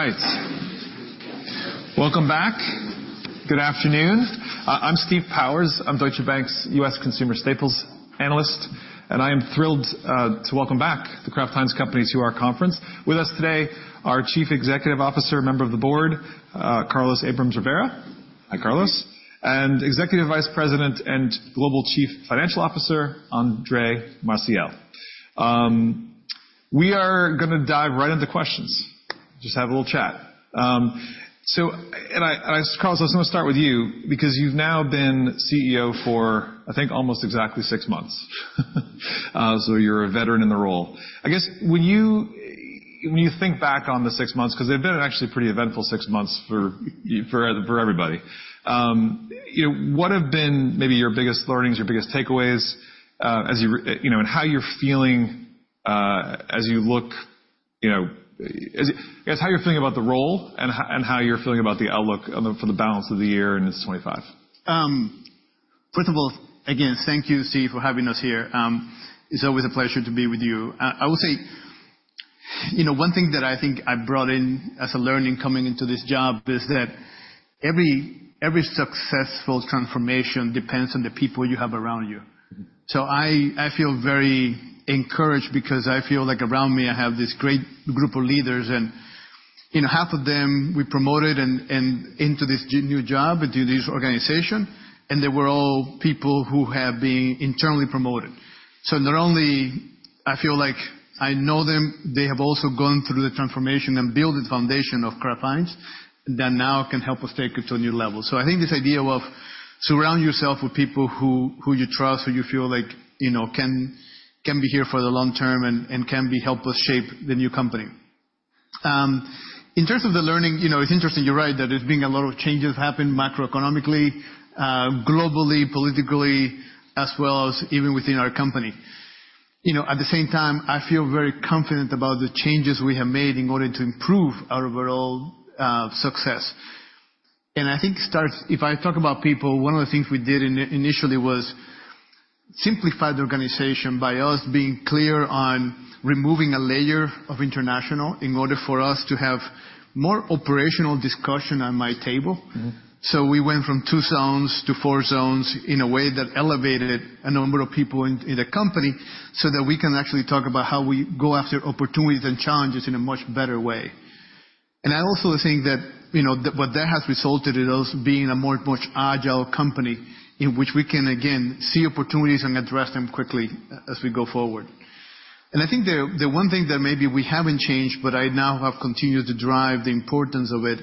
All right. Welcome back. Good afternoon. I'm Steve Powers. I'm Deutsche Bank's U.S. consumer staples analyst, and I am thrilled to welcome back the Kraft Heinz Company to our conference. With us today, our Chief Executive Officer, member of the board, Carlos Abrams-Rivera. Hi, Carlos. And Executive Vice President and Global Chief Financial Officer, André Maciel. We are gonna dive right into questions, just have a little chat. So, and I, Carlos, I just wanna start with you, because you've now been CEO for, I think, almost exactly six months. So you're a veteran in the role. I guess, when you think back on the six months, because they've been actually pretty eventful six months for you, for everybody, you know, what have been maybe your biggest learnings, your biggest takeaways, as you, you know, and how you're feeling, as you look, you know, I guess, how you're feeling about the role, and how you're feeling about the outlook for the balance of the year and into 2025? First of all, again, thank you, Steve, for having us here. It's always a pleasure to be with you. I will say, you know, one thing that I think I brought in as a learning coming into this job is that every successful transformation depends on the people you have around you. So I feel very encouraged, because I feel like around me, I have this great group of leaders, and, you know, half of them we promoted and into this new job, into this organization, and they were all people who have been internally promoted. So not only I feel like I know them, they have also gone through the transformation and built the foundation of Kraft Heinz that now can help us take it to a new level. So I think this idea of surround yourself with people who you trust, who you feel like you know can be here for the long term and can help us shape the new company. In terms of the learning, you know, it's interesting, you're right, that there's been a lot of changes happen macroeconomically, globally, politically, as well as even within our company. You know, at the same time, I feel very confident about the changes we have made in order to improve our overall success. I think it starts. If I talk about people, one of the things we did initially was simplify the organization by us being clear on removing a layer of international, in order for us to have more operational discussion on my table. Mm-hmm. So we went from two zones to four zones in a way that elevated a number of people in the company, so that we can actually talk about how we go after opportunities and challenges in a much better way. And I also think that, you know, that what that has resulted in us being a much more agile company, in which we can again see opportunities and address them quickly as we go forward. And I think the one thing that maybe we haven't changed, but I now have continued to drive the importance of it,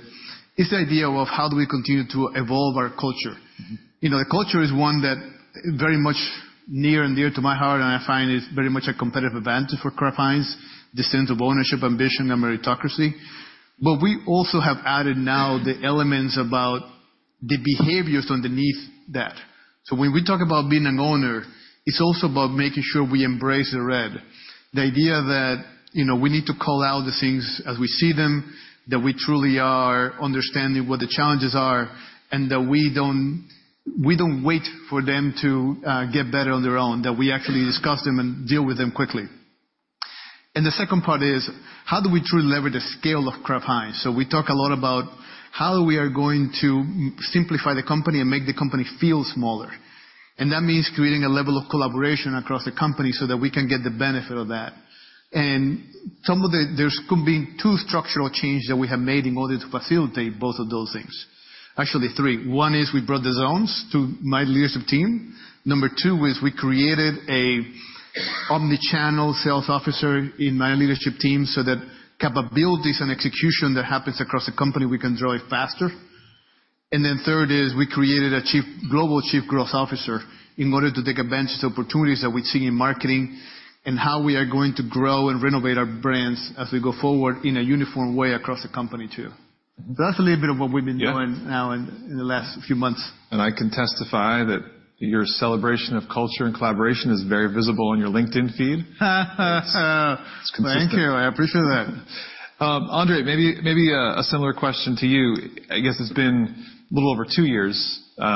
is the idea of how do we continue to evolve our culture. Mm-hmm. You know, the culture is one that very much near and dear to my heart, and I find it's very much a competitive advantage for Kraft Heinz, the sense of ownership, ambition, and meritocracy. But we also have added now the elements about the behaviors underneath that. So when we talk about being an owner, it's also about making sure we embrace the red. The idea that, you know, we need to call out the things as we see them, that we truly are understanding what the challenges are, and that we don't, we don't wait for them to get better on their own, that we actually discuss them and deal with them quickly. And the second part is, how do we truly leverage the scale of Kraft Heinz? So we talk a lot about how we are going to simplify the company and make the company feel smaller. That means creating a level of collaboration across the company so that we can get the benefit of that. Some of the... There's going to be two structural changes that we have made in order to facilitate both of those things. Actually, three. One is we brought the zones to my leadership team. Number two is we created a omnichannel sales officer in my leadership team, so that capabilities and execution that happens across the company, we can drive faster. And then third is, we created a global chief growth officer in order to take advantage of opportunities that we see in marketing, and how we are going to grow and renovate our brands as we go forward in a uniform way across the company, too. That's a little bit of what we've been doing- Yeah... now in the last few months. I can testify that your celebration of culture and collaboration is very visible on your LinkedIn feed. It's consistent. Thank you. I appreciate that. André, maybe a similar question to you. I guess it's been a little over two years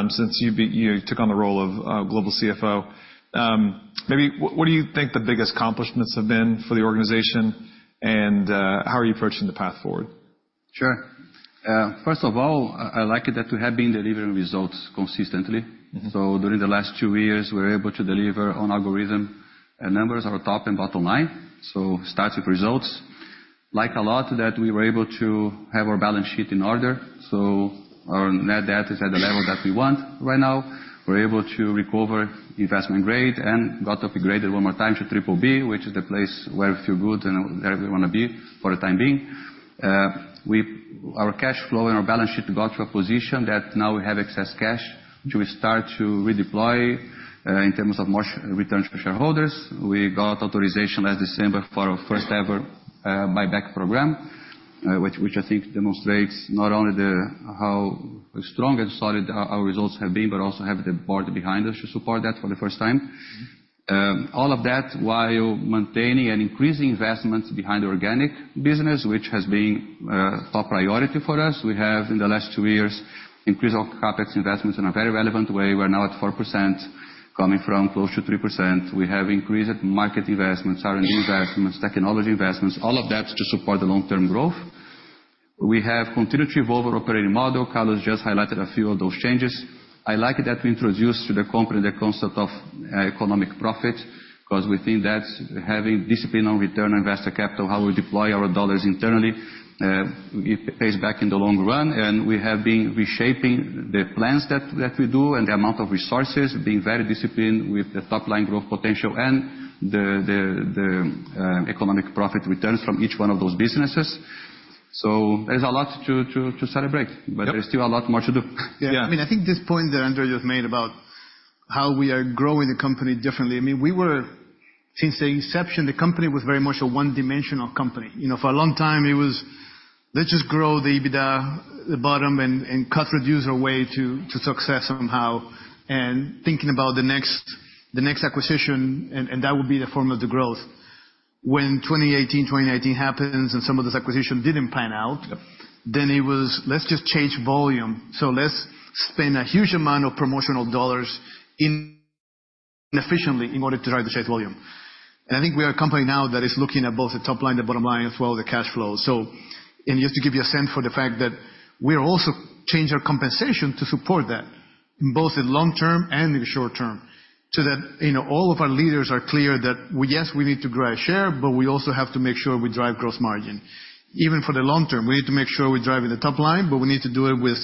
since you took on the role of global CFO. Maybe what do you think the biggest accomplishments have been for the organization, and how are you approaching the path forward? Sure. First of all, I like it that we have been delivering results consistently. Mm-hmm. During the last two years, we're able to deliver on algorithm and numbers our top and bottom line, so starts with results. Like a lot, that we were able to have our balance sheet in order, so our net debt is at the level that we want right now. We're able to recover investment grade and got upgraded one more time to triple B, which is the place where we feel good and where we want to be for the time being. Our cash flow and our balance sheet got to a position that now we have excess cash, which we start to redeploy in terms of more return to shareholders. We got authorization last December for our first ever buyback program, which I think demonstrates not only how strong and solid our results have been, but also the board behind us to support that for the first time. All of that while maintaining and increasing investments behind the organic business, which has been top priority for us. We have, in the last two years, increased our CapEx investments in a very relevant way. We're now at 4%, coming from close to 3%. We have increased market investments, R&D investments, technology investments, all of that to support the long-term growth.... We have continued to evolve our operating model. Carlos just highlighted a few of those changes. I like it that we introduced to the company the concept of economic profit, 'cause we think that's having discipline on return on investor capital, how we deploy our dollars internally, it pays back in the long run, and we have been reshaping the plans that we do and the amount of resources, being very disciplined with the top line growth potential and the economic profit returns from each one of those businesses. So there's a lot to celebrate- Yep. But there's still a lot more to do. Yeah. Yeah, I mean, I think this point that André just made about how we are growing the company differently. I mean, we were—Since the inception, the company was very much a one-dimensional company. You know, for a long time, it was, "Let's just grow the EBITDA, the bottom, and, and cut costs our way to, to success somehow," and thinking about the next, the next acquisition, and, and that would be the form of the growth. When 2018, 2019 happens, and some of those acquisitions didn't pan out- Yep. Then it was, "Let's just chase volume. So let's spend a huge amount of promotional dollars inefficiently in order to drive the sheer volume." And I think we are a company now that is looking at both the top line, the bottom line, as well as the cash flow. So... And just to give you a sense for the fact that we are also changing our compensation to support that, both in long term and in the short term, so that, you know, all of our leaders are clear that, well, yes, we need to grow our share, but we also have to make sure we drive gross margin. Even for the long term, we need to make sure we're driving the top line, but we need to do it with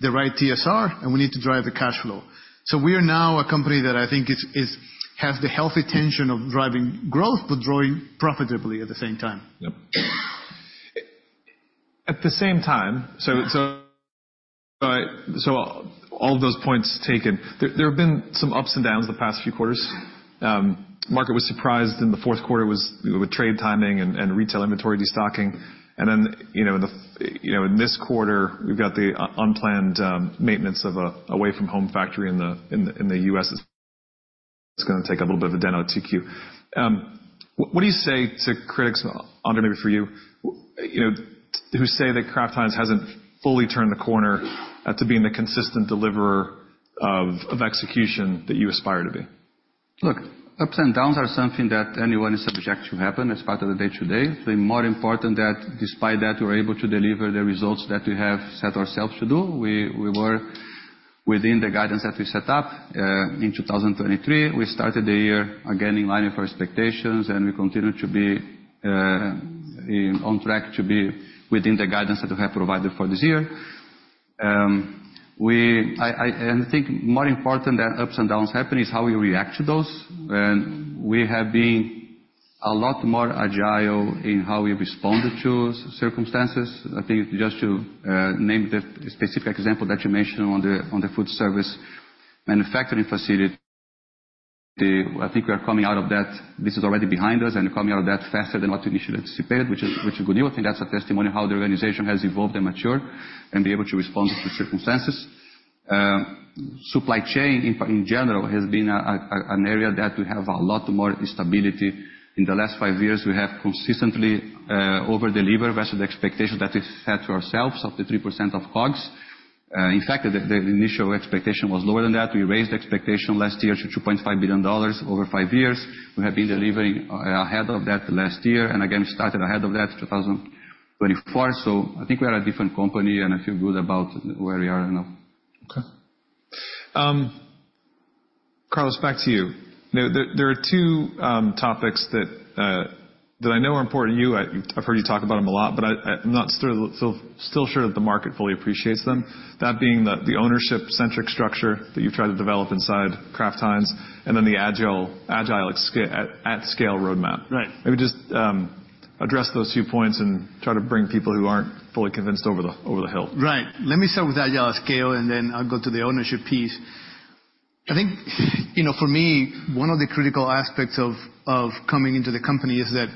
the right TSR, and we need to drive the cash flow. We are now a company that I think is has the healthy tension of driving growth, but growing profitably at the same time. Yep. At the same time, all those points taken, there have been some ups and downs the past few quarters. Market was surprised in the fourth quarter with trade timing and retail inventory destocking. And then, you know, in this quarter, we've got the unplanned maintenance of a away-from-home factory in the US. It's gonna take a little bit of a dent on TQ. What do you say to critics, André, maybe for you, you know, who say that Kraft Heinz hasn't fully turned the corner to being the consistent deliverer of execution that you aspire to be? Look, ups and downs are something that anyone is subject to happen as part of the day-to-day. The more important that despite that, we're able to deliver the results that we have set ourselves to do. We were within the guidance that we set up in 2023. We started the year, again, in line with our expectations, and we continue to be on track to be within the guidance that we have provided for this year. And I think more important than ups and downs happen is how we react to those. And we have been a lot more agile in how we responded to circumstances. I think just to name the specific example that you mentioned on the food service manufacturing facility, I think we are coming out of that... This is already behind us, and coming out of that faster than what we initially anticipated, which is, which is good news. I think that's a testimony of how the organization has evolved and matured and be able to respond to circumstances. Supply chain, in, in general, has been a, a, an area that we have a lot more stability. In the last five years, we have consistently over-deliver versus the expectation that we set to ourselves of the 3% of COGS. In fact, the, the initial expectation was lower than that. We raised expectation last year to $2.5 billion over five years. We have been delivering ahead of that last year, and again, started ahead of that in 2024. So I think we are a different company, and I feel good about where we are now. Okay. Carlos, back to you. Now, there are two topics that I know are important to you. I've heard you talk about them a lot, but I'm still not sure that the market fully appreciates them. That being the ownership-centric structure that you've tried to develop inside Kraft Heinz, and then the agile at scale roadmap. Right. Maybe just address those two points and try to bring people who aren't fully convinced over the hill. Right. Let me start with agile at scale, and then I'll go to the ownership piece. I think, you know, for me, one of the critical aspects of, of coming into the company is that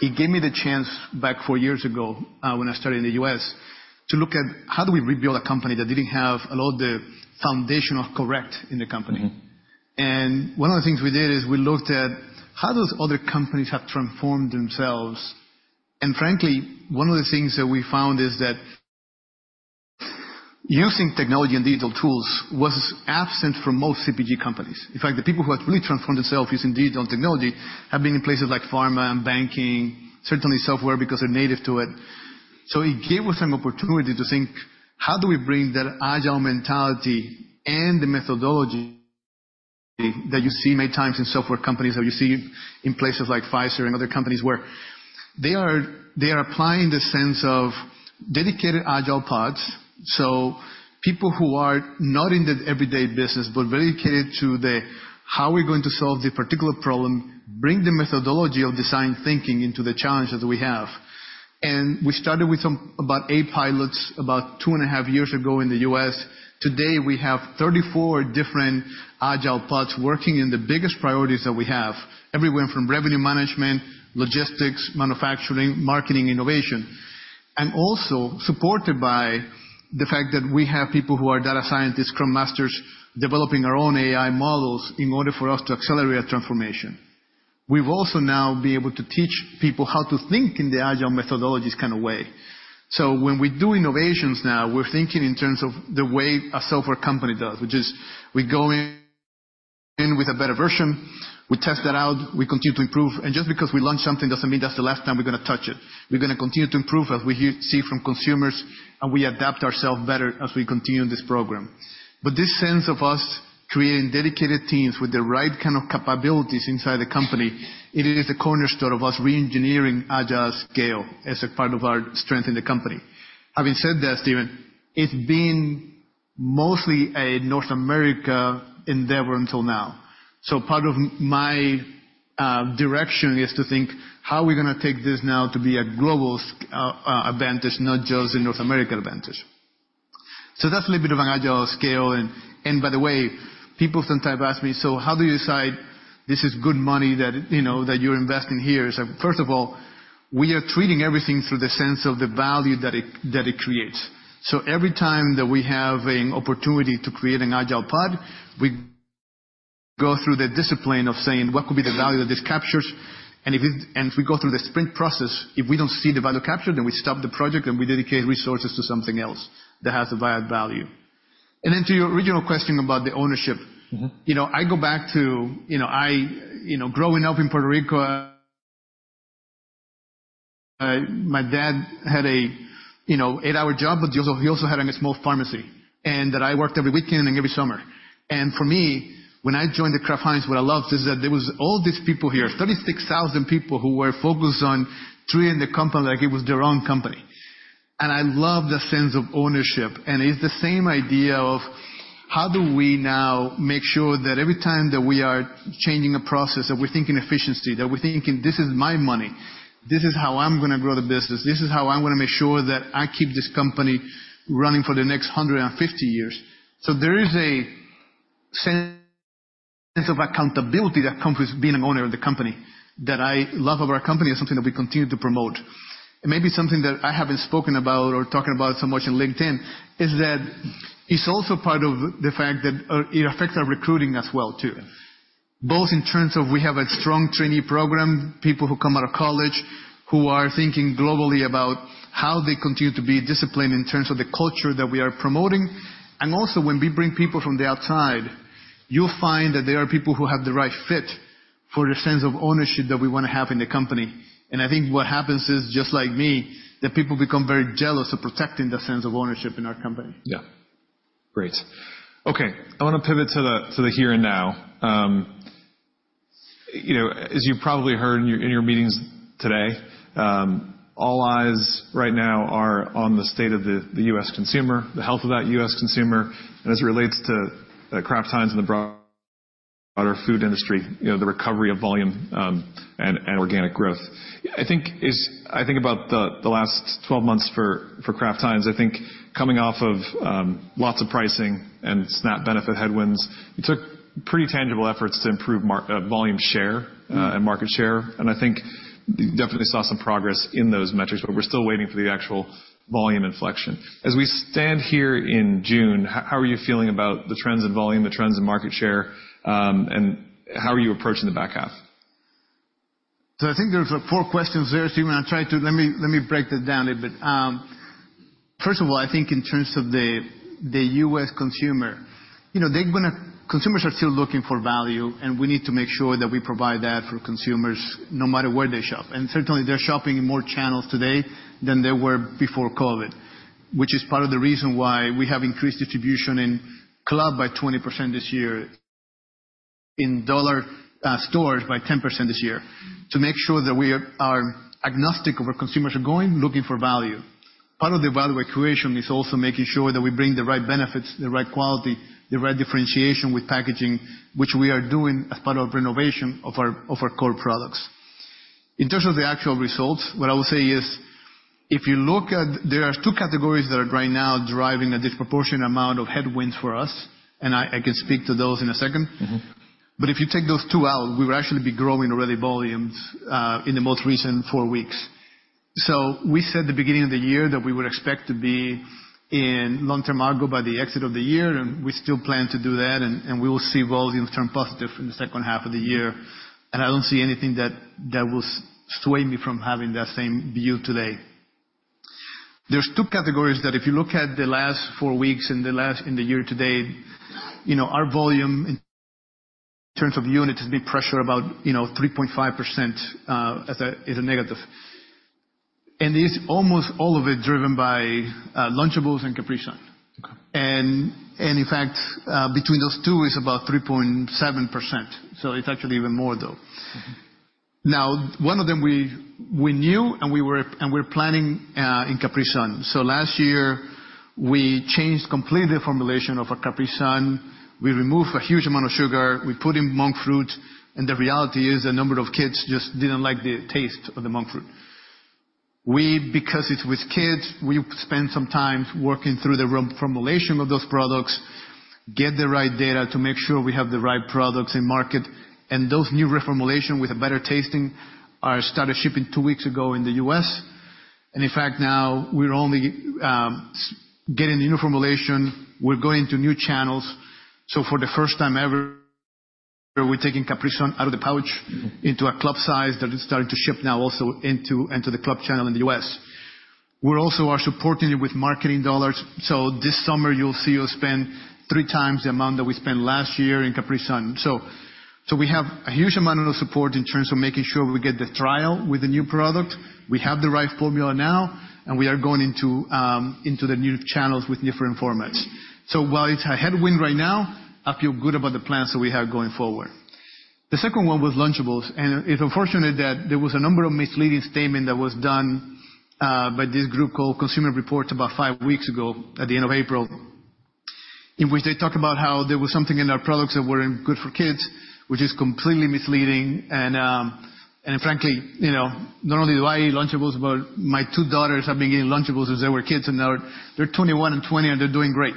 it gave me the chance, back four years ago, when I started in the U.S., to look at how do we rebuild a company that didn't have a lot of the foundational correct in the company? Mm-hmm. One of the things we did is we looked at how those other companies have transformed themselves, and frankly, one of the things that we found is that using technology and digital tools was absent from most CPG companies. In fact, the people who have really transformed themselves using digital technology have been in places like pharma and banking, certainly software, because they're native to it. So it gave us an opportunity to think: How do we bring that agile mentality and the methodology that you see many times in software companies, that you see in places like Pfizer and other companies, where they are, they are applying the sense of dedicated agile pods. So people who are not in the everyday business, but very catered to the how we are going to solve the particular problem, bring the methodology of design thinking into the challenges we have. We started with some, about eight pilots about two and a half years ago in the U.S. Today, we have 34 different agile pods working in the biggest priorities that we have, everywhere from revenue management, logistics, manufacturing, marketing, innovation, and also supported by the fact that we have people who are data scientists, scrum masters, developing our own AI models in order for us to accelerate transformation. We've also now been able to teach people how to think in the agile methodologies kind of way. When we do innovations now, we're thinking in terms of the way a software company does, which is we go in with a better version. We test that out, we continue to improve, and just because we launched something, doesn't mean that's the last time we're gonna touch it. We're gonna continue to improve, as we hear, see from consumers, and we adapt ourselves better as we continue this program. But this sense of us creating dedicated teams with the right kind of capabilities inside the company, it is the cornerstone of us reengineering Agile@Scale as a part of our strength in the company. Having said that, Steven, it's been mostly a North America endeavor until now. So part of my direction is to think, how are we gonna take this now to be a global advantage, not just a North America advantage? So that's a little bit of an Agile@Scale, and by the way, people sometimes ask me: So how do you decide this is good money that, you know, that you're investing here? So first of all, we are treating everything through the sense of the value that it, that it creates. So every time that we have an opportunity to create an agile pod, we go through the discipline of saying, "What could be the value that this captures?" And if it, and if we go through the sprint process, if we don't see the value captured, then we stop the project, and we dedicate resources to something else that has a higher value. And then to your original question about the ownership- Mm-hmm. You know, growing up in Puerto Rico, my dad had a eight-hour job, but he also had, like, a small pharmacy, and that I worked every weekend and every summer. And for me, when I joined the Kraft Heinz, what I loved is that there was all these people here, 36,000 people, who were focused on treating the company like it was their own company. And I love the sense of ownership, and it's the same idea of: How do we now make sure that every time that we are changing a process, that we're thinking efficiency, that we're thinking, "This is my money. This is how I'm gonna grow the business. This is how I'm gonna make sure that I keep this company running for the next 150 years?" So there is a sense of accountability that comes with being an owner of the company, that I love of our company, and something that we continue to promote. And maybe something that I haven't spoken about or talked about so much in LinkedIn, is that it's also part of the fact that, it affects our recruiting as well, too. Yeah. Both in terms of, we have a strong trainee program, people who come out of college, who are thinking globally about how they continue to be disciplined in terms of the culture that we are promoting. And also, when we bring people from the outside, you'll find that they are people who have the right fit for the sense of ownership that we wanna have in the company. And I think what happens is, just like me, that people become very jealous of protecting that sense of ownership in our company. Yeah. Great. Okay, I wanna pivot to the here and now. You know, as you probably heard in your meetings today, all eyes right now are on the state of the U.S. consumer, the health of that U.S. consumer, and as it relates to Kraft Heinz and the broader food industry. You know, the recovery of volume and organic growth. I think about the last 12 months for Kraft Heinz. I think coming off of lots of pricing and SNAP benefit headwinds, it took pretty tangible efforts to improve market volume share. Mm-hmm... and market share, and I think we definitely saw some progress in those metrics, but we're still waiting for the actual volume inflection. As we stand here in June, how are you feeling about the trends in volume, the trends in market share, and how are you approaching the back half? So I think there's four questions there, Steve. I'll try to let me break it down a bit. First of all, I think in terms of the U.S. consumer, you know, they're gonna consumers are still looking for value, and we need to make sure that we provide that for consumers, no matter where they shop. And certainly, they're shopping in more channels today than they were before COVID, which is part of the reason why we have increased distribution in club by 20% this year, in dollar stores by 10% this year, to make sure that we are agnostic of where consumers are going, looking for value. Part of the value equation is also making sure that we bring the right benefits, the right quality, the right differentiation with packaging, which we are doing as part of renovation of our core products. In terms of the actual results, what I will say is, if you look at... There are two categories that are right now driving a disproportionate amount of headwinds for us, and I can speak to those in a second. Mm-hmm. But if you take those two out, we would actually be growing already volumes in the most recent four weeks. So we said the beginning of the year that we would expect to be in long-term growth by the end of the year, and we still plan to do that, and we will see volumes turn positive in the second half of the year. And I don't see anything that will sway me from having that same view today. There's two categories that if you look at the last four weeks and the last in the year to date, you know, our volume in terms of units has been pressured about, you know, 3.5%, as a negative. And it's almost all of it driven by Lunchables and Capri Sun. Okay. And in fact, between those two, it's about 3.7%, so it's actually even more, though. Mm-hmm. Now, one of them we knew, and we're planning in Capri Sun. So last year, we changed completely the formulation of our Capri Sun. We removed a huge amount of sugar. We put in monk fruit, and the reality is, a number of kids just didn't like the taste of the monk fruit. Because it's with kids, we spent some time working through the reformulation of those products, get the right data to make sure we have the right products in market. And those new reformulation with a better tasting started shipping two weeks ago in the U.S. And in fact, now we're only getting the new formulation. We're going to new channels. So for the first time ever, we're taking Capri Sun out of the pouch into a club size that is starting to ship now also into the club channel in the US. We also are supporting it with marketing dollars. So this summer, you'll see us spend three times the amount that we spent last year in Capri Sun. So we have a huge amount of support in terms of making sure we get the trial with the new product. We have the right formula now, and we are going into the new channels with different formats. So while it's a headwind right now, I feel good about the plans that we have going forward. The second one was Lunchables, and it's unfortunate that there was a number of misleading statement that was done by this group called Consumer Reports, about five weeks ago, at the end of April, in which they talked about how there was something in our products that weren't good for kids, which is completely misleading. And frankly, you know, not only do I eat Lunchables, but my two daughters have been eating Lunchables since they were kids, and now they're 21 and 20, and they're doing great.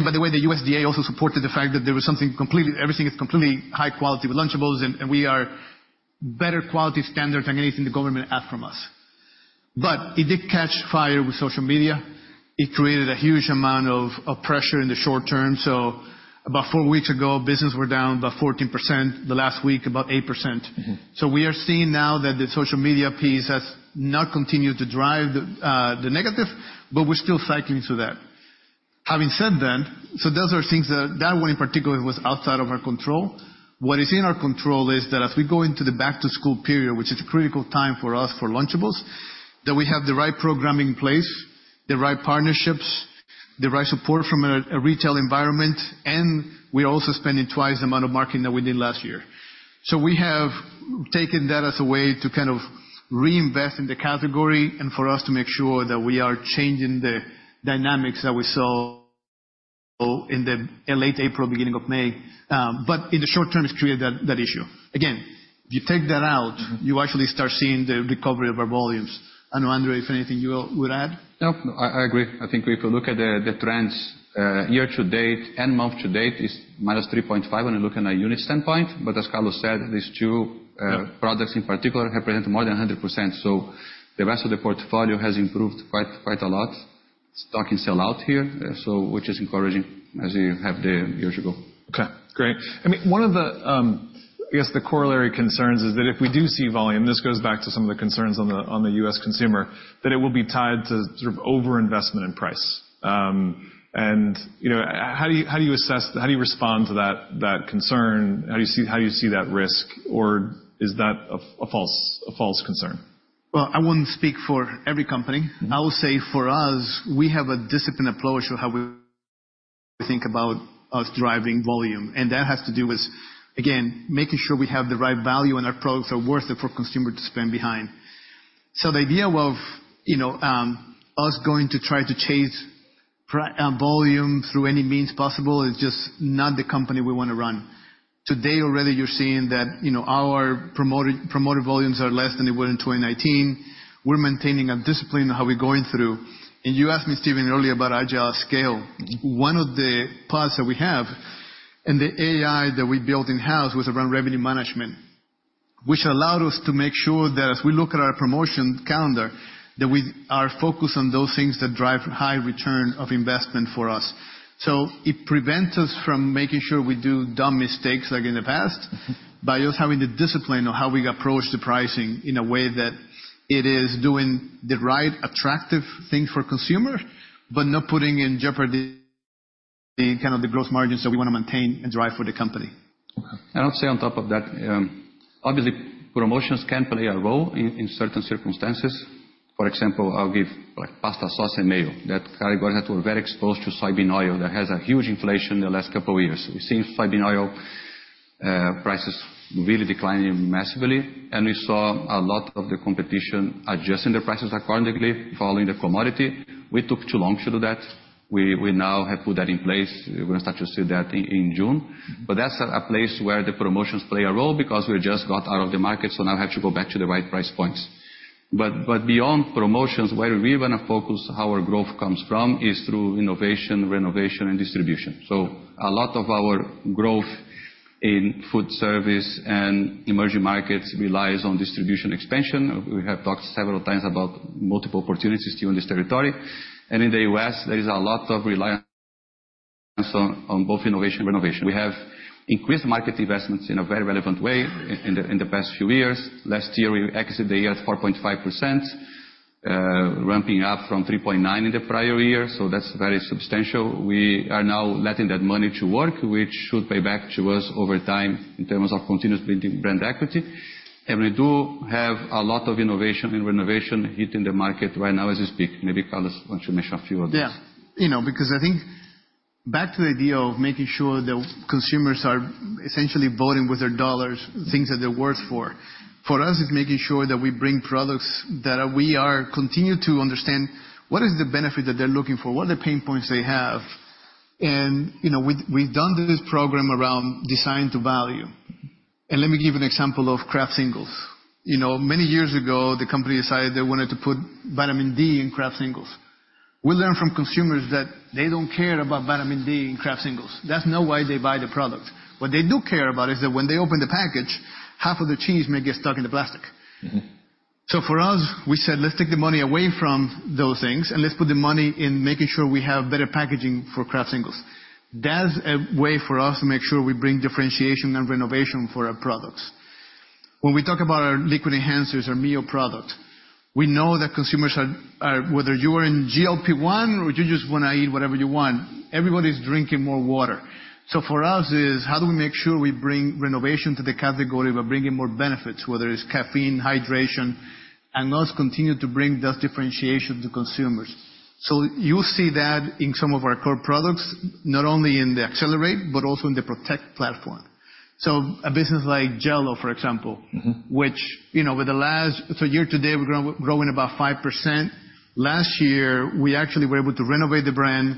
By the way, the USDA also supported the fact that there was something completely- everything is completely high quality with Lunchables, and we are better quality standard than anything the government asked from us. But it did catch fire with social media. It created a huge amount of pressure in the short term. So about four weeks ago, business were down by 14%, the last week, about 8%. Mm-hmm. So we are seeing now that the social media piece has not continued to drive the, the negative, but we're still cycling through that. Having said that, so those are things that, that one in particular, was outside of our control. What is in our control is that as we go into the back to school period, which is a critical time for us for Lunchables, that we have the right programming in place, the right partnerships, the right support from a retail environment, and we are also spending twice the amount of marketing that we did last year. So we have taken that as a way to kind of reinvest in the category and for us to make sure that we are changing the dynamics that we saw in the late April, beginning of May. But in the short term, it's created that, that issue. Again, if you take that out- Mm-hmm. -you actually start seeing the recovery of our volumes. I don't know, André, if anything you would add? No, I agree. I think if you look at the trends, year to date and month to date is -3.5 when you look at a unit standpoint. But as Carlos said, these two products in particular represent more than 100%, so the rest of the portfolio has improved quite a lot. Stock is sell out here, so which is encouraging, as we have the years ago. Okay, great. I mean, one of the, I guess, the corollary concerns is that if we do see volume, this goes back to some of the concerns on the, on the U.S. consumer, that it will be tied to sort of over-investment in price. And, you know, how do you, how do you assess, how do you respond to that, that concern? How do you see, how do you see that risk, or is that a, a false, a false concern? Well, I wouldn't speak for every company. Mm-hmm. I will say for us, we have a disciplined approach on how we think about us driving volume, and that has to do with, again, making sure we have the right value and our products are worth it for consumer to spend behind. So the idea of, you know, us going to try to chase volume through any means possible is just not the company we want to run. Today already, you're seeing that, you know, our promoted, promoted volumes are less than they were in 2019. We're maintaining a discipline on how we're going through. And you asked me, Steve, earlier, about Agile@Scale. One of the parts that we have, and the AI that we built in-house, was around revenue management, which allowed us to make sure that as we look at our promotion calendar, that we are focused on those things that drive high return of investment for us. So it prevents us from making sure we do dumb mistakes like in the past by us having the discipline on how we approach the pricing in a way that it is doing the right, attractive thing for consumer, but not putting in jeopardy kind of the growth margins that we want to maintain and drive for the company. Okay. And I'd say on top of that, obviously, promotions can play a role in certain circumstances. For example, I'll give, like, pasta sauce and mayo. That categories that were very exposed to soybean oil, that has a huge inflation in the last couple of years. We've seen soybean oil prices really declining massively, and we saw a lot of the competition adjusting their prices accordingly, following the commodity. We took too long to do that. We now have put that in place. We're going to start to see that in June. But that's a place where the promotions play a role because we just got out of the market, so now have to go back to the right price points. But beyond promotions, where we want to focus our growth comes from is through innovation, renovation, and distribution. So a lot of our growth in food service and emerging markets relies on distribution expansion. We have talked several times about multiple opportunities here in this territory. And in the US, there is a lot of reliance on, on both innovation and renovation. We have increased market investments in a very relevant way in the, in the past few years. Last year, we exited the year at 4.5%, ramping up from 3.9% in the prior year, so that's very substantial. We are now letting that money to work, which should pay back to us over time in terms of continuous building brand equity. And we do have a lot of innovation and renovation hitting the market right now as we speak. Maybe, Carlos, why don't you mention a few of them? Yeah. You know, because I think back to the idea of making sure the consumers are essentially voting with their dollars, things that they're worth for. For us, it's making sure that we bring products that we are continuing to understand what is the benefit that they're looking for, what are the pain points they have. And, you know, we, we've done this program around Design to Value. Let me give an example of Kraft Singles. You know, many years ago, the company decided they wanted to put vitamin D in Kraft Singles. We learned from consumers that they don't care about vitamin D in Kraft Singles. That's not why they buy the product. What they do care about is that when they open the package, half of the cheese may get stuck in the plastic. Mm-hmm.... So for us, we said, let's take the money away from those things, and let's put the money in making sure we have better packaging for Kraft Singles. That's a way for us to make sure we bring differentiation and renovation for our products. When we talk about our liquid enhancers, our MiO product, we know that consumers are whether you are in GLP-1, or you just want to eat whatever you want, everybody's drinking more water. So for us, it is how do we make sure we bring renovation to the category, but bringing more benefits, whether it's caffeine, hydration, and us continue to bring those differentiations to consumers? So you'll see that in some of our core products, not only in the Accelerate, but also in the Protect platform. So a business like Jell-O, for example- Mm-hmm. which, you know, so year to date, we're growing about 5%. Last year, we actually were able to renovate the brand.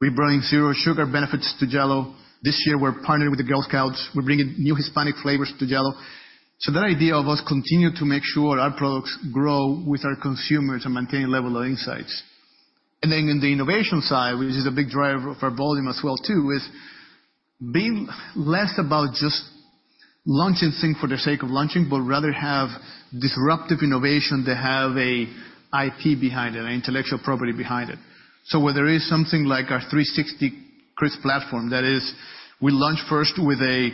We bring zero sugar benefits to Jell-O. This year, we're partnering with the Girl Scouts. We're bringing new Hispanic flavors to Jell-O. So that idea of us continue to make sure our products grow with our consumers and maintain level of insights. And then in the innovation side, which is a big driver of our volume as well, too, is being less about just launching things for the sake of launching, but rather have disruptive innovation that have an IP behind it, an intellectual property behind it. So where there is something like our 360CRISP platform, that is, we launch first with a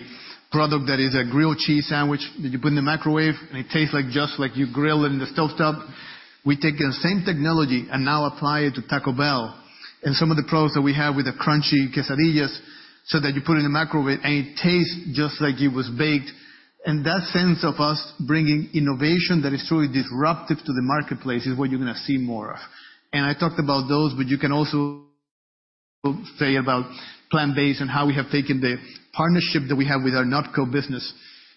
product that is a grilled cheese sandwich, that you put in the microwave, and it tastes like just like you grill it in the stovetop. We take the same technology and now apply it to Taco Bell and some of the products that we have with the crunchy quesadillas, so that you put it in the microwave, and it tastes just like it was baked. And that sense of us bringing innovation that is truly disruptive to the marketplace is what you're gonna see more of. I talked about those, but you can also say about plant-based and how we have taken the partnership that we have with our NotCo business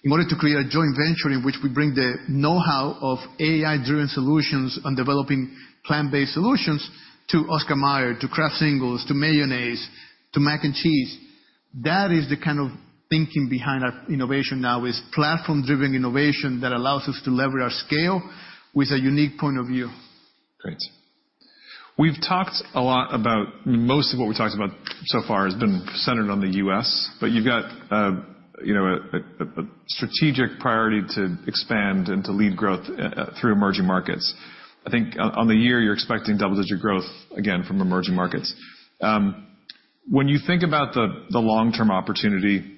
in order to create a joint venture in which we bring the know-how of AI-driven solutions on developing plant-based solutions to Oscar Mayer, to Kraft Singles, to mayonnaise, to mac and cheese. That is the kind of thinking behind our innovation now, is platform-driven innovation that allows us to leverage our scale with a unique point of view. Great. We've talked a lot about... Most of what we've talked about so far has been centered on the U.S., but you've got, you know, a strategic priority to expand and to lead growth through emerging markets. I think on the year, you're expecting double-digit growth, again, from emerging markets. When you think about the long-term opportunity,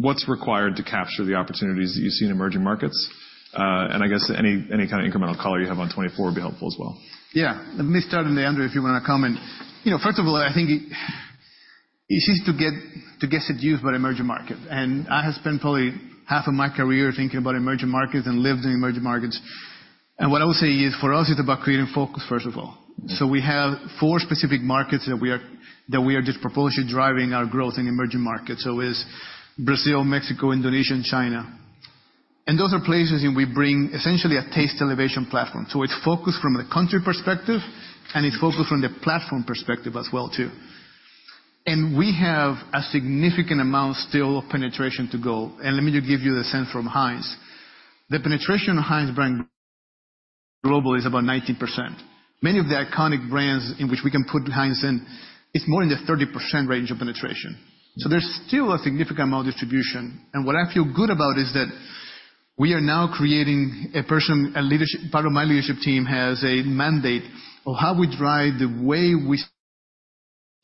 what's required to capture the opportunities that you see in emerging markets? And I guess, any kind of incremental color you have on 2024 would be helpful as well. Yeah. Let me start, and then, André, if you want to comment. You know, first of all, I think it's easy to get seduced by the emerging market, and I have spent probably half of my career thinking about emerging markets and lived in emerging markets. And what I would say is, for us, it's about creating focus, first of all. Mm-hmm. So we have four specific markets that we are, that we are disproportionately driving our growth in emerging markets. So it's Brazil, Mexico, Indonesia, and China. And those are places where we bring essentially a taste elevation platform. So it's focused from the country perspective, and it's focused from the platform perspective as well, too. And we have a significant amount still of penetration to go. And let me just give you the sense from Heinz. The penetration of Heinz Brand global is about 90%. Many of the iconic brands in which we can put Heinz in, it's more in the 30% range of penetration. So there's still a significant amount of distribution. What I feel good about is that we are now creating a leadership, part of my leadership team has a mandate of how we drive the way we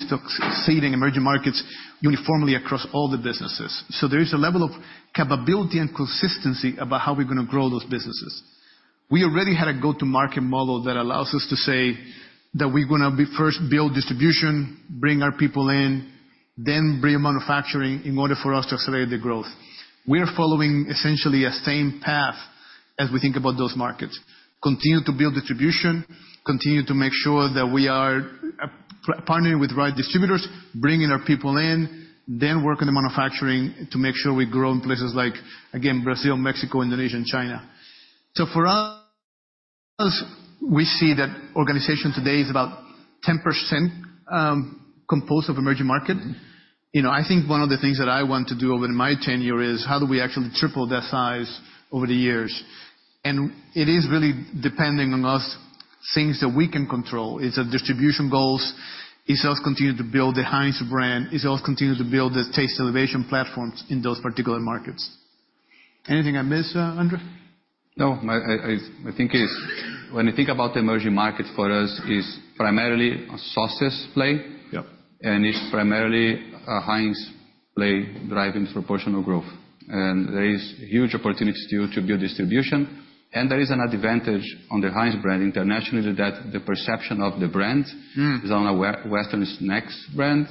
succeed in emerging markets uniformly across all the businesses. So there is a level of capability and consistency about how we're gonna grow those businesses. We already had a go-to-market model that allows us to say that we're gonna first build distribution, bring our people in, then bring manufacturing in order for us to accelerate the growth. We are following essentially the same path as we think about those markets. Continue to build distribution, continue to make sure that we are partnering with the right distributors, bringing our people in, then work on the manufacturing to make sure we grow in places like, again, Brazil, Mexico, Indonesia, and China. So for us, we see that organization today is about 10%, composed of emerging market. You know, I think one of the things that I want to do over my tenure is, how do we actually triple that size over the years? And it is really depending on us, things that we can control. It's the distribution goals. It's us continuing to build the Heinz brand. It's us continuing to build the taste elevation platforms in those particular markets. Anything I missed, André? No, I think it's when you think about the emerging markets, for us, it's primarily a sauces play. Yep. It's primarily a Heinz play driving proportional growth. There is huge opportunity still to build distribution, and there is an advantage on the Heinz brand internationally, that the perception of the brand- Mm. is on a Western snacks brand,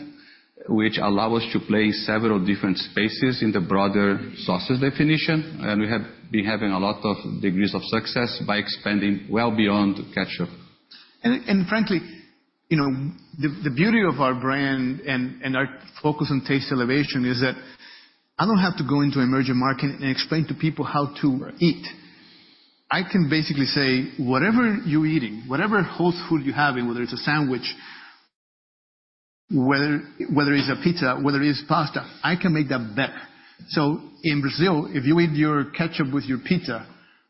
which allow us to play several different spaces in the broader sauces definition. We have been having a lot of degrees of success by expanding well beyond ketchup. Frankly, you know, the beauty of our brand and our focus on taste elevation is that I don't have to go into emerging market and explain to people how to eat. I can basically say, "Whatever you're eating, whatever host food you're having, whether it's a sandwich, whether it's a pizza, whether it's pasta, I can make that better." So in Brazil, if you eat your ketchup with your pizza,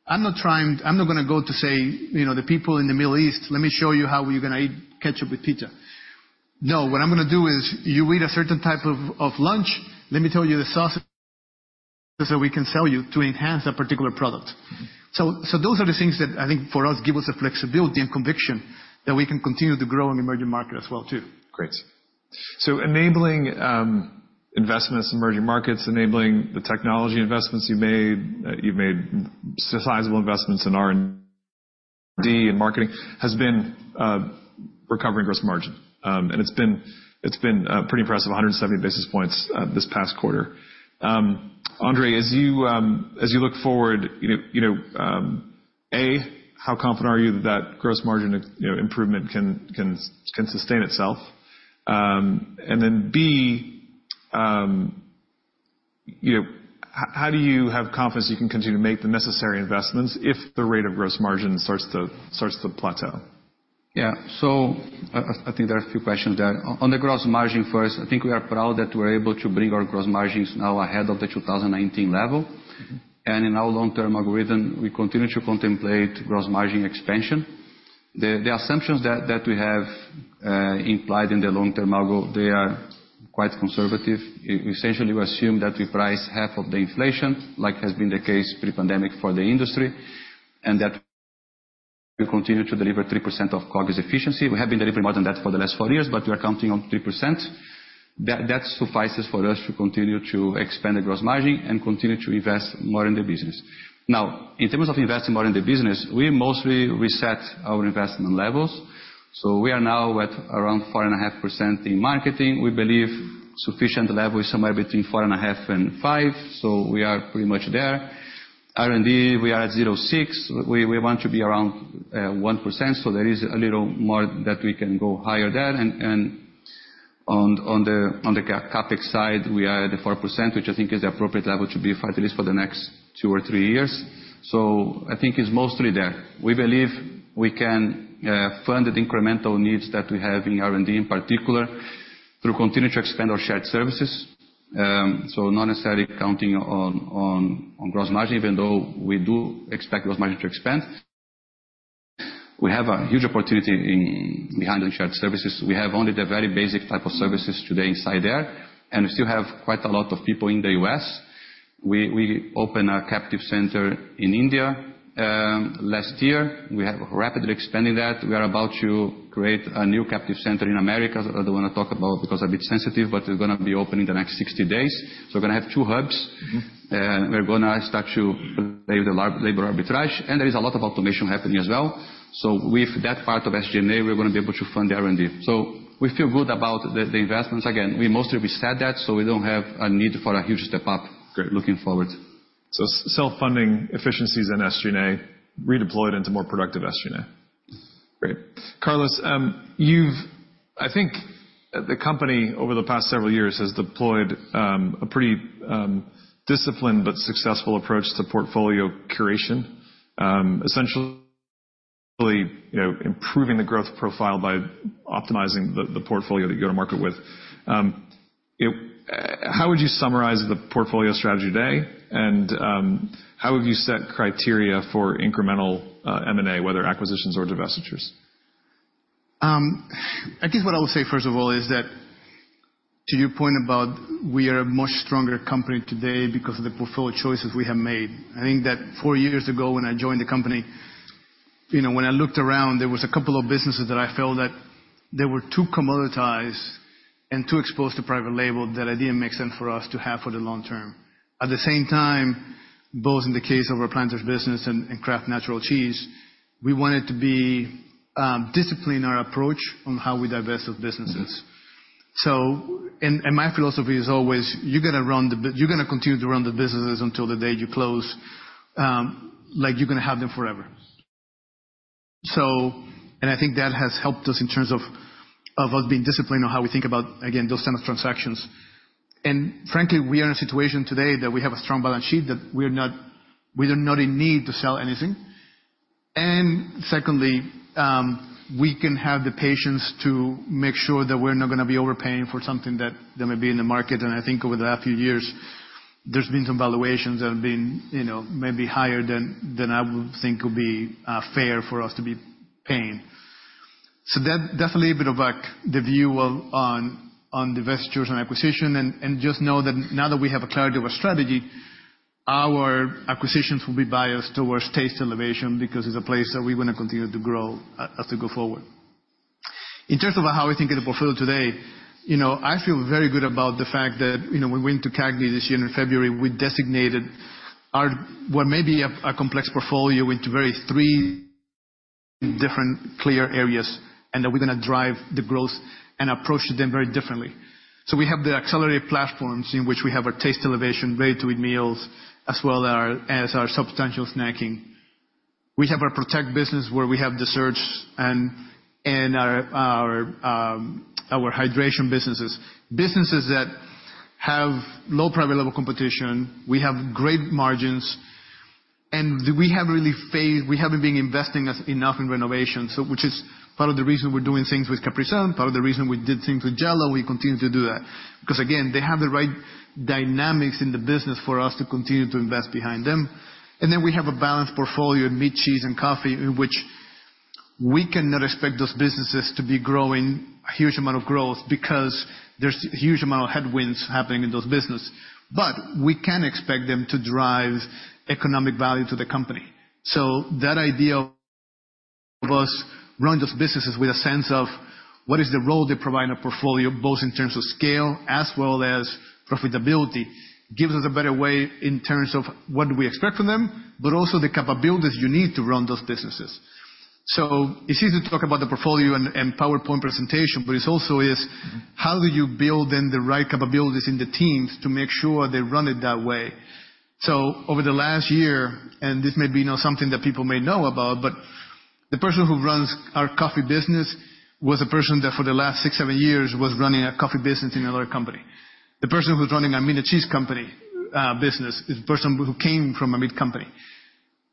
I'm not trying. I'm not gonna go to say, you know, the people in the Middle East, "Let me show you how you're gonna eat ketchup with pizza." No, what I'm gonna do is, you eat a certain type of lunch, let me tell you the sauce so we can sell you to enhance that particular product. So, those are the things that I think for us give us the flexibility and conviction that we can continue to grow in emerging markets as well, too. Great. So enabling investments in emerging markets, enabling the technology investments you've made, you've made sizable investments in R&D and marketing, has been recovering gross margin. And it's been, it's been pretty impressive, 170 basis points this past quarter. André, as you look forward, you know, you know, A, how confident are you that that gross margin, you know, improvement can, can, can sustain itself? And then, B, you know, h-how do you have confidence you can continue to make the necessary investments if the rate of gross margin starts to, starts to plateau? Yeah. So I think there are a few questions there. On the gross margin first, I think we are proud that we're able to bring our gross margins now ahead of the 2019 level. And in our long-term algorithm, we continue to contemplate gross margin expansion. The assumptions that we have implied in the long-term algo, they are quite conservative. Essentially, we assume that we price half of the inflation, like has been the case pre-pandemic for the industry, and that we continue to deliver 3% of COGS efficiency. We have been delivering more than that for the last four years, but we are counting on 3%. That suffices for us to continue to expand the gross margin and continue to invest more in the business. Now, in terms of investing more in the business, we mostly reset our investment levels, so we are now at around 4.5% in marketing. We believe sufficient level is somewhere between 4.5 and 5, so we are pretty much there. R&D, we are at 0.6%. We want to be around 1%, so there is a little more that we can go higher there. And on the CapEx side, we are at the 4%, which I think is the appropriate level to be at, at least for the next two or three years. So I think it's mostly there. We believe we can fund the incremental needs that we have in R&D, in particular, through continue to expand our shared services. So not necessarily counting on gross margin, even though we do expect gross margin to expand. We have a huge opportunity in behind the shared services. We have only the very basic type of services today inside there, and we still have quite a lot of people in the U.S. We opened a captive center in India last year. We are rapidly expanding that. We are about to create a new captive center in America that I don't wanna talk about because a bit sensitive, but it's gonna be open in the next 60 days. So we're gonna have two hubs. Mm-hmm. We're gonna start to play with the labor arbitrage, and there is a lot of automation happening as well. So with that part of SG&A, we're gonna be able to fund the R&D. So we feel good about the investments. Again, we mostly reset that, so we don't have a need for a huge step up- Great. Looking forward. So self-funding efficiencies in SG&A, redeployed into more productive SG&A. Great. Carlos, you've—I think the company, over the past several years, has deployed a pretty disciplined but successful approach to portfolio curation. Essentially, you know, improving the growth profile by optimizing the portfolio that you go to market with. How would you summarize the portfolio strategy today, and how have you set criteria for incremental M&A, whether acquisitions or divestitures? I guess what I will say, first of all, is that, to your point about we are a much stronger company today because of the portfolio choices we have made. I think that four years ago, when I joined the company, you know, when I looked around, there was a couple of businesses that I felt that they were too commoditized and too exposed to private label that I didn't make sense for us to have for the long term. At the same time, both in the case of our Planters business and Kraft Natural Cheese, we wanted to be discipline our approach on how we divest those businesses. So... And my philosophy is always: You're gonna run you're gonna continue to run the businesses until the day you close, like you're gonna have them forever. So... I think that has helped us in terms of us being disciplined on how we think about, again, those kind of transactions. And frankly, we are in a situation today that we have a strong balance sheet, that we are not in need to sell anything. And secondly, we can have the patience to make sure that we're not gonna be overpaying for something that may be in the market, and I think over the last few years, there's been some valuations that have been, you know, maybe higher than I would think would be fair for us to be paying. So that's a little bit of, like, the view on divestitures and acquisition, and just know that now that we have a clarity of our strategy, our acquisitions will be biased towards taste innovation, because it's a place that we're gonna continue to grow as we go forward. In terms of how we think of the portfolio today, you know, I feel very good about the fact that, you know, when we went to CAGNY this year in February, we designated our what may be a complex portfolio into very three different clear areas, and that we're gonna drive the growth and approach them very differently. So we have the accelerated platforms, in which we have our taste innovation, great to eat meals, as well as our substantial snacking. We have our protect business, where we have the sauces and our hydration businesses, businesses that have low private label competition. We have great margins, and we haven't really been investing enough in renovation, so which is part of the reason we're doing things with Capri Sun, part of the reason we did things with Jell-O. We continue to do that, 'cause again, they have the right dynamics in the business for us to continue to invest behind them. And then we have a balanced portfolio in meat, cheese, and coffee, in which we cannot expect those businesses to be growing a huge amount of growth, because there's a huge amount of headwinds happening in those business. But we can expect them to drive economic value to the company. So that idea of us running those businesses with a sense of what is the role they provide in a portfolio, both in terms of scale as well as profitability, gives us a better way in terms of what do we expect from them, but also the capabilities you need to run those businesses. So it's easy to talk about the portfolio and PowerPoint presentation, but it's also how do you build in the right capabilities in the teams to make sure they run it that way? So over the last year, and this may be not something that people may know about, but the person who runs our coffee business was a person that for the last 6, 7 years, was running a coffee business in another company. The person who's running our meat and cheese company, business, is a person who came from a meat company.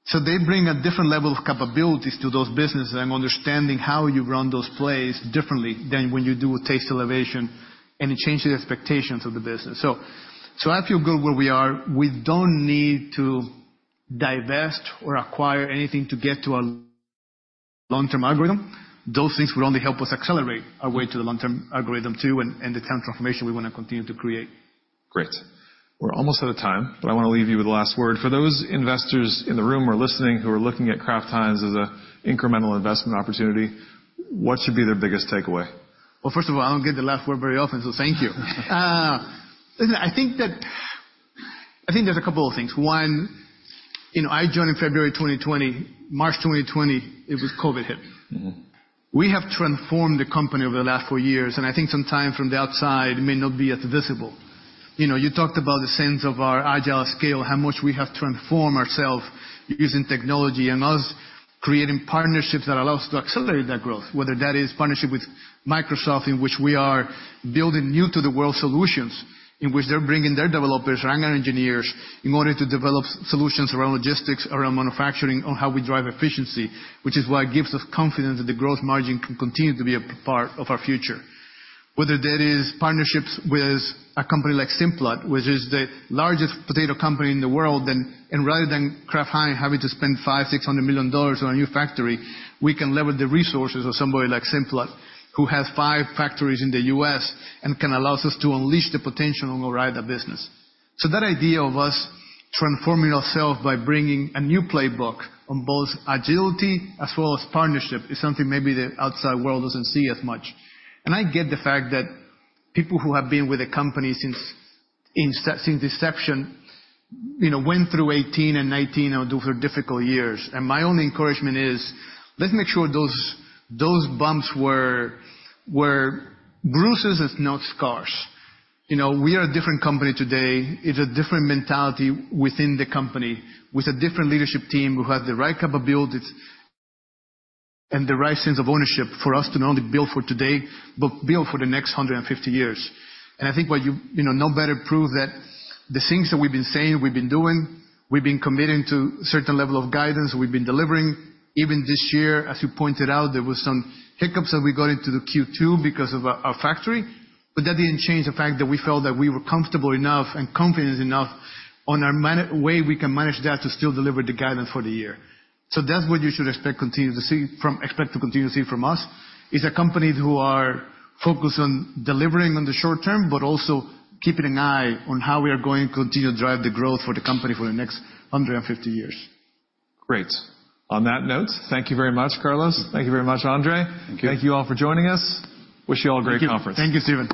So they bring a different level of capabilities to those businesses, and understanding how you run those plays differently than when you do a taste elevation, and it changes the expectations of the business. So, so I feel good where we are. We don't need to divest or acquire anything to get to our long-term algorithm. Those things will only help us accelerate our way to the long-term algorithm, too, and, and the kind of transformation we wanna continue to create. Great. We're almost out of time, but I wanna leave you with the last word. For those investors in the room or listening, who are looking at Kraft Heinz as an incremental investment opportunity, what should be their biggest takeaway? Well, first of all, I don't get the last word very often, so thank you. Listen, I think that... I think there's a couple of things. One, you know, I joined in February 2020. March 2020, it was COVID hit. Mm-hmm. We have transformed the company over the last four years, and I think sometimes from the outside it may not be as visible. You know, you talked about the sense of our Agile@Scale, how much we have transformed ourselves using technology, and us creating partnerships that allow us to accelerate that growth, whether that is partnership with Microsoft, in which we are building new-to-the-world solutions, in which they're bringing their developers and our engineers in order to develop solutions around logistics, around manufacturing, on how we drive efficiency, which is what gives us confidence that the growth margin can continue to be a part of our future. Whether that is partnerships with a company like Simplot, which is the largest potato company in the world, then... Rather than Kraft Heinz having to spend $500-$600 million on a new factory, we can leverage the resources of somebody like Simplot, who has 5 factories in the U.S. and can allow us to unleash the potential on a variety of business. That idea of us transforming ourselves by bringing a new playbook on both agility as well as partnership is something maybe the outside world doesn't see as much. I get the fact that people who have been with the company since inception, you know, went through 2018 and 2019; those were difficult years. My only encouragement is, let's make sure those bumps were bruises and not scars. You know, we are a different company today. It's a different mentality within the company, with a different leadership team who have the right capabilities and the right sense of ownership for us to not only build for today, but build for the next 150 years. And I think what you... You know, no better proof that the things that we've been saying, we've been doing, we've been committing to certain level of guidance, we've been delivering. Even this year, as you pointed out, there was some hiccups as we got into the Q2 because of our factory, but that didn't change the fact that we felt that we were comfortable enough and confident enough on our way we can manage that, to still deliver the guidance for the year. So that's what you should expect to continue to see from us, is a company who are focused on delivering on the short term, but also keeping an eye on how we are going to continue to drive the growth for the company for the next 150 years. Great. On that note, thank you very much, Carlos. Thank you very much, André. Thank you. Thank you all for joining us. Wish you all a great conference. Thank you, Steve.